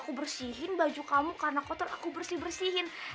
aku bersihin baju kamu karena kotor aku bersih bersihin